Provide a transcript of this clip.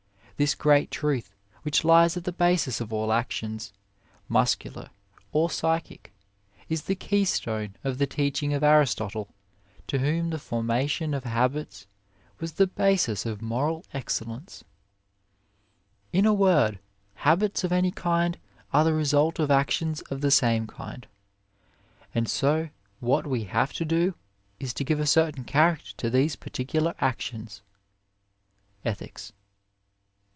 This great truth, which lies at the basis of all actions, muscular or psychic, is the key stone of the teaching of Aris totle, to whom the formation of habits was the basis of moral 10 OF LIFE excellence. "In a word, habits of any kind are the result of actions of the same kind ; and so what we have to do, is to give a certain character to these particular actions" (Ethics).